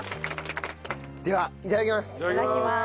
ではいただきます。